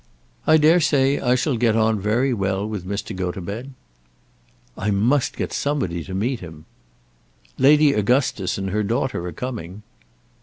I dare say I shall get on very well with Mr. Gotobed." "I must get somebody to meet him." "Lady Augustus and her daughter are coming."